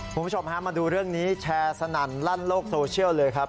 คุณผู้ชมฮะมาดูเรื่องนี้แชร์สนั่นลั่นโลกโซเชียลเลยครับ